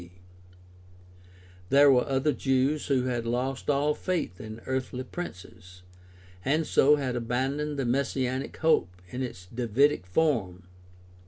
d. There were other Jews who had lost all faith in earthly princes, and so had abandoned the messianic hope in its Davidic form.